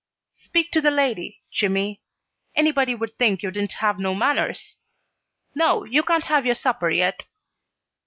"Speak to the lady, Jimmy. Anybody would think you didn't have no manners! No, you can't have your supper yet."